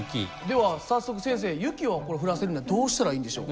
では早速先生雪を降らせるにはどうしたらいいんでしょうか？